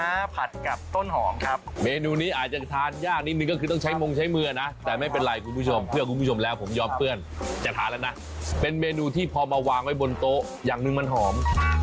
อันนี้ก็คือต้องใช้มงใช้มือนะแต่ไม่เป็นไรคุณผู้ชมเพื่อคุณผู้ชมแล้วผมยอมเปื้อนจะทานแล้วนะเป็นเมนูที่พอมาวางไว้บนโต๊ะอย่างนึงมันหอม